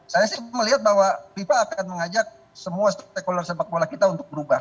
saya sih melihat bahwa fifa akan mengajak semua stakeholder sepak bola kita untuk berubah